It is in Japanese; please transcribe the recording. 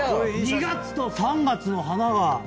２月と３月の花が。